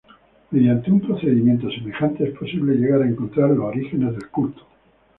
Mediante un procedimiento semejante es posible llegar a encontrar los orígenes del culto.